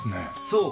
そう！